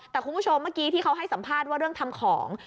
แต่คุณผู้ชมเมื่อกี้ที่เขาให้สัมภาษณ์ว่าเรื่องทำของ